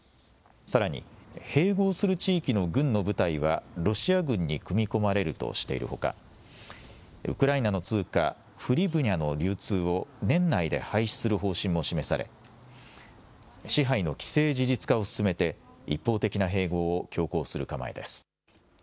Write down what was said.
さらに、併合する地域の軍の部隊はロシア軍に組み込まれるとしているほか、ウクライナの通貨、フリブニャの流通を年内で廃止する方針も示され、支配の既成事実化を進めて、一方的な併合を強行する構えです。